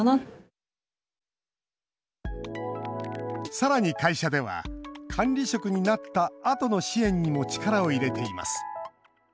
さらに会社では管理職になったあとの支援にも力を入れています。